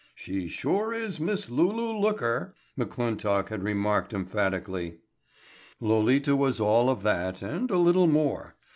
"She sure is Miss Lulu Looker," McClintock had remarked emphatically. Lolita was all of that and a little more.